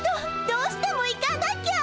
どうしても行かなきゃ！